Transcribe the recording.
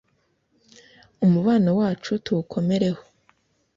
umubano wacu tuwukomereho